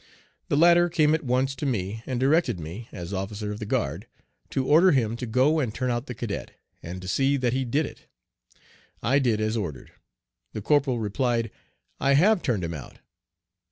The latter came at once to me and directed me, as officer of the guard, to order him to go and turn out the cadet, and to see that he did it. I did as ordered. The corporal replied, "I have turned him out."